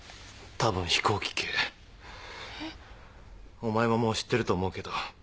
お前ももう知ってると思うけど。